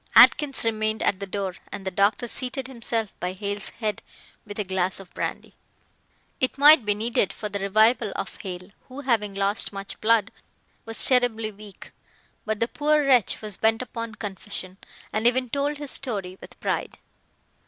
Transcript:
Atkins remained at the door, and the doctor seated himself by Hale's head with a glass of brandy. It might be needed for the revival of Hale, who, having lost much blood, was terribly weak. But the poor wretch was bent upon confession, and even told his story with pride.